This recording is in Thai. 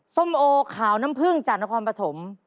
ส้มโอขาวน้ำผึ้งจากนครปฐม